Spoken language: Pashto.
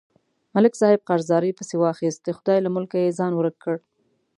ملک صاحب قرضدارۍ پسې واخیست، د خدای له ملکه یې ځان ورک کړ.